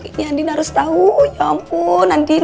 ini andin harus tau ya ampun andin